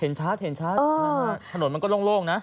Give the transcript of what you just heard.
เห็นชัดถนนมันก็โล่งนะ